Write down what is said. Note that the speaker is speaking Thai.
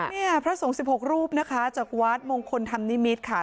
เนี่ยพระสงฆ์๑๖รูปนะคะจากวัดมงคลธรรมนิมิตรค่ะ